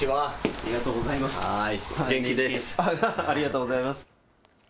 ありがとうございます。